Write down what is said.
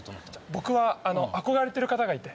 僕は憧れてる方がいて。